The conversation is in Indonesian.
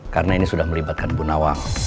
karena ini sudah melibatkan bu nawang